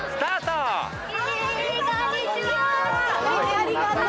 ありがとう。